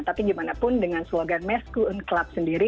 tapi bagaimanapun dengan slogan messi klub sendiri